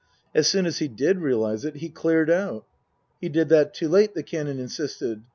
As soon as he did realize it, he cleared out." He did that too late, the Canon insisted.